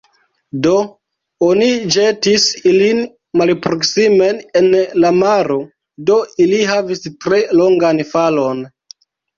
Do, oni ĵetis ilin malproksimen en la maro; do ili havis tre longan falon.